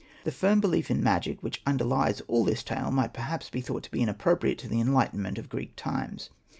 The firm belief in magic which underlies all this tale might perhaps be thought to be inappropriate to the enlightenment of Greek times.